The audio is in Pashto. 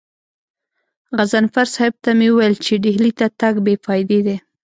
غضنفر صاحب ته مې وويل چې ډهلي ته تګ بې فايدې دی.